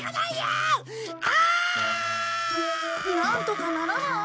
なんとかならない？